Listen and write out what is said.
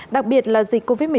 đặc biệt là dịch covid một mươi chín